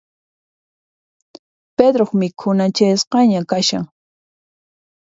Pedroq mikhunan chayasqaña kashan.